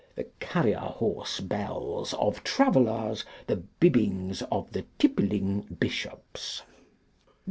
The Carrier horse bells of Travellers. The Bibbings of the tippling Bishops.